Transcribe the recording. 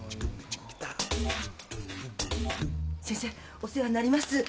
お世話になります